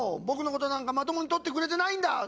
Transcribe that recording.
ぼくのことなんかまともにとってくれてないんだ。